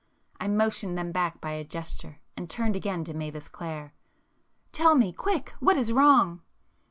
I motioned them back by a gesture and turned again to Mavis Clare. "Tell me,—quick—what is wrong?"